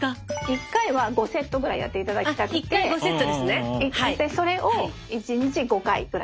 １回は５セットぐらいやっていただきたくてそれを１日５回くらい。